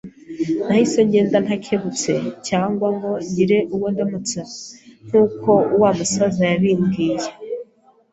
Nahise ngenda ntakebutse cyangwa ngo ngire uwo ndamutsa (nk’uko wa musaza yabimbwiye),